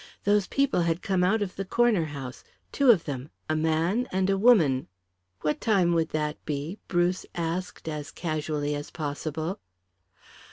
Those people had come out of the corner house, two of them a man and a woman." "What time would that be?" Bruce asked as casually as possible.